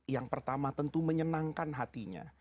yang pertama tentu menyenangkan hatinya